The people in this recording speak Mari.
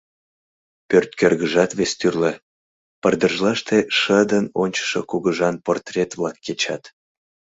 Пӧрт кӧргыжат вес тӱрлӧ — пырдыжлаште шыдын ончышо кугыжан портрет-влак кечат.